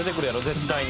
絶対に。